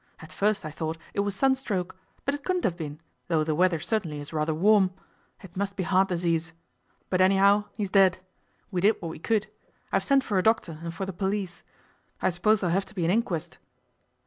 At first I thought it was sunstroke, but it couldn't have been, though the weather certainly is rather warm. It must be heart disease. But anyhow, he's dead. We did what we could. I've sent for a doctor, and for the police. I suppose there'll have to be an inquest.